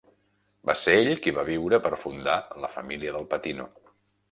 Va ser ell qui va viure per fundar la família del Patino.